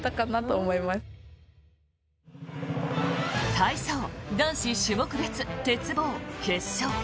体操男子種目別鉄棒、決勝。